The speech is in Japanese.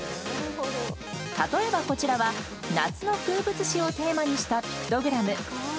例えば、こちらは夏の風物詩をテーマにしたピクトグラム。